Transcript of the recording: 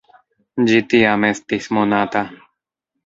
Ĝi tiam estis monata.